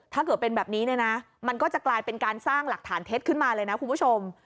ถ้าเกิดเป็นแบบนี้เนี่ยนะมันก็จะกลายเป็นการสร้างหลักฐานเท็จขึ้นมาเลยนะคุณผู้ชม